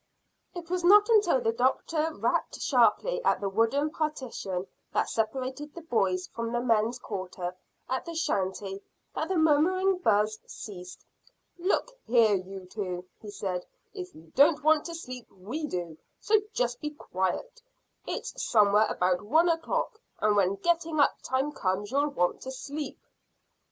It was not until the doctor rapped sharply at the wooden partition that separated the boys' from the men's quarters at the shanty, that the murmuring buzz ceased. "Look here, you two," he said; "if you don't want to sleep we do, so just be quiet. It's somewhere about one o'clock, and when getting up time comes you'll want to sleep."